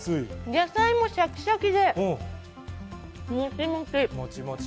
野菜もシャキシャキでモチモチ！